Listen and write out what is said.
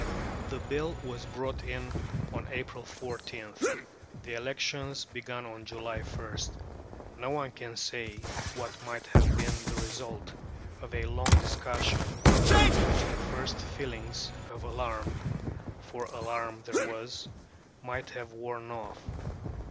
The Bill was brought in on April 14th, the elections began on July 1st; no one can say what might have been the result of a long discussion, during which the first feelings of alarm (for alarm there was) might have worn off.